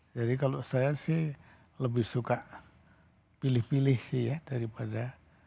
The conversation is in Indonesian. jadi kalau saya sih lebih suka pilih pilih sih ya daripada